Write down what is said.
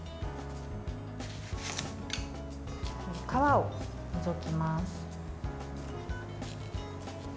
皮を除きます。